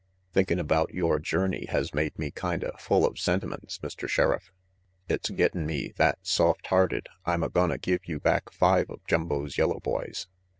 Thinkin' about yore journey has made me kinda full of sentiments, Mr. Sheriff. It's gettin 'me that soft hearted I'm a gonna give you back five of Jumbo's yellow boys.